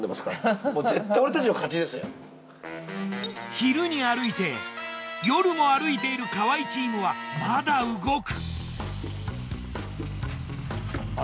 昼に歩いて夜も歩いている河合チームはまだ動く。